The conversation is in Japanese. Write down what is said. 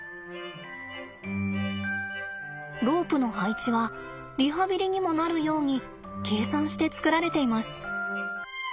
ロープの配置はリハビリにもなるように計算して作られています。